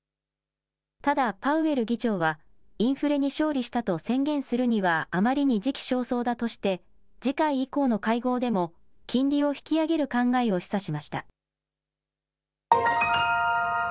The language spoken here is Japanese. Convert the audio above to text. ただ、パウエル議長はインフレに勝利したと宣言するにはあまりに時期尚早だとして、次回以降の会合でも、金利を引き上げる考えを示唆しました。